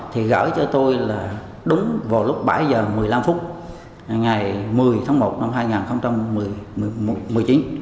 thì gửi cho tôi là đúng vào lúc bảy h một mươi năm phút ngày một mươi tháng một năm hai nghìn một mươi chín